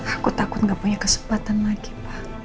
aku takut gak punya kesempatan lagi pak